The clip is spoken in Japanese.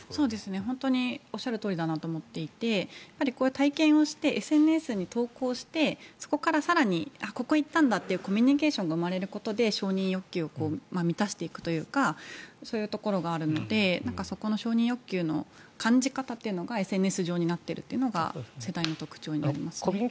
おっしゃるとおりだなと思っていまして体験をしてＳＮＳに投稿してそこから更にここに行ったんだというコミュニケーションが生まれることで承認欲求を満たしていくというかそういうところがあるのでそこの承認欲求の感じ方がＳＮＳ上になっているというのが世代の特徴ですね。